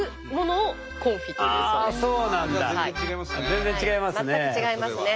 全然違いますね。